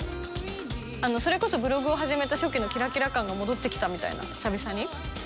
それこそブログを始めた初期のキラキラ感が戻ってきたみたいな久々に。